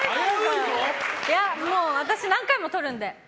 私、何回もとるんで。